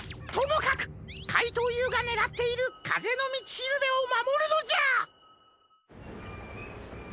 かいとうＵがねらっているかぜのみちしるべをまもるのじゃ！